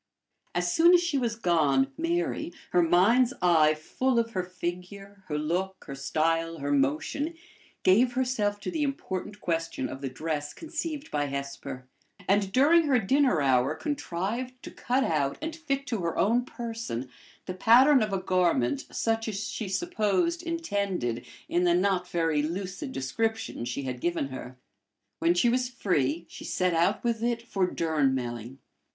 As soon as she was gone, Mary, her mind's eye full of her figure, her look, her style, her motion, gave herself to the important question of the dress conceived by Hesper; and during her dinner hour contrived to cut out and fit to her own person the pattern of a garment such as she supposed intended in the not very lucid description she had given her. When she was free, she set out with it for Durnmelling.